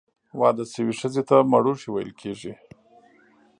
واده سوي ښځي ته، مړوښې ویل کیږي.